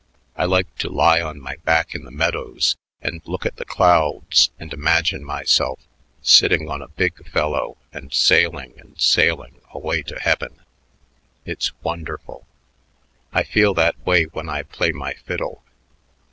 I like to lie on my back in the meadows and look at the clouds and imagine myself sitting on a big fellow and sailing and sailing away to heaven. It's wonderful. I feel that way when I play my fiddle."